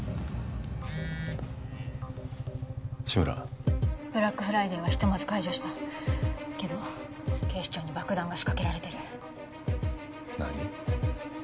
志村ブラックフライデーはひとまず解除したけど警視庁に爆弾が仕掛けられてる何？